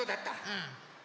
うん。